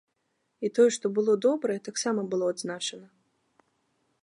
І тое, што было добрае, таксама было адзначана.